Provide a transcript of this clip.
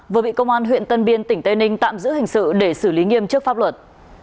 vừa bị công an huyện tân biên tỉnh tây ninh tạm giữ hình sự để xử lý nghiêm trước pháp luật